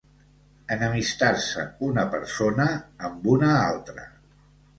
Enemistar-se una persona amb una altra.